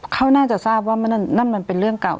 เขาน่าจะทราบว่านั่นมันเป็นเรื่องเก่า